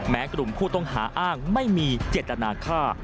แม้กลุ่มผู้ต้องหาอ้างไม่มีเจ็ดอนาคา